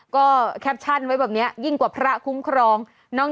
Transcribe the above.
ก็แคปชั่นไว้แบบนี้ยิ่งกว่าพระคุ้มครอง